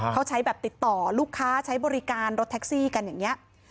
เขาใช้แบบติดต่อลูกค้าใช้บริการรถแท็กซี่กันอย่างนี้